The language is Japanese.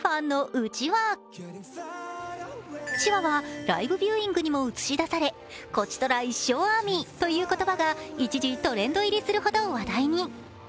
うちわはライブビューイングにも映し出され、「こちとら一生ＡＲＭＹ」という言葉が一時トレンド入りするほど話題に。